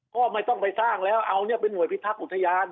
ก็ไม่ต้องไปสร้างแล้วเอาเนี่ยเป็นหน่วยพิทักษ์อุทยาน